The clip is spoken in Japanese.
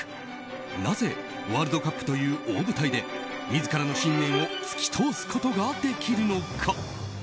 なぜワールドカップという大舞台で自らの信念を突き通すことができるのか。